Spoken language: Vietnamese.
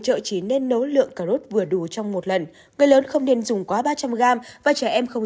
chợ chỉ nên nấu lượng cà rốt vừa đủ trong một lần người lớn không nên dùng quá ba trăm linh gram và trẻ em không